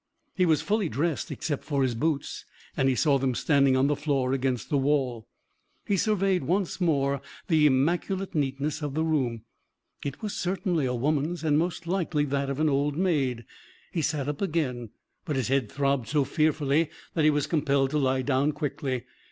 He was fully dressed, except for his boots, and he saw them standing on the floor against the wall. He surveyed once more the immaculate neatness of the room. It was certainly a woman's, and most likely that of an old maid. He sat up again, but his head throbbed so fearfully that he was compelled to lie down quickly.